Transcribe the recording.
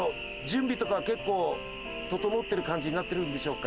準備とかは結構整ってる感じになってるんでしょうか？